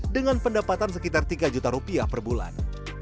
dengan pendapatan sekitar tiga juta rupiah per bulan